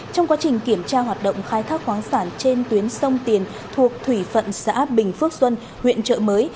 trong quá trình kiểm tra hoạt động khai thác khoáng sản trên tuyến sông tiền thuộc thủy phận xã bình phước xuân huyện trợ mới